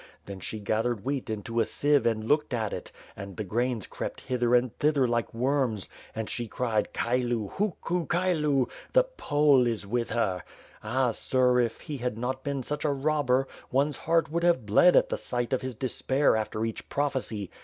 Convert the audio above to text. Then she scattered wheat into a sieve and looked at it, and the grains crept hither and thither like worms; and she cried, 'Chylu! Huku! Chylu! The Pole is with her!' Ah, sir, if he had not been such a robber, one's heart would have bled at the sight of his despair after each prophecy.